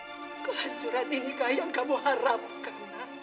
robi kehancuran ini kaya yang kamu harapkan